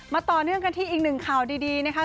ต่อเนื่องกันที่อีกหนึ่งข่าวดีนะคะ